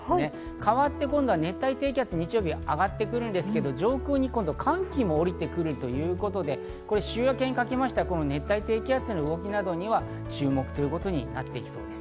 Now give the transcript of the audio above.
変わって今度は熱帯低気圧が上がってくるんですけど、上空に寒気も下りてくるということで週明けにかけまして熱帯低気圧の動きに注目ということになっていきそうです。